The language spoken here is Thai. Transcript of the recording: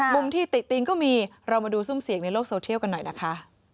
มุมที่ติติงก็มีเรามาดูซุ่มเสียงในโลกโซเทียลกันหน่อยนะคะ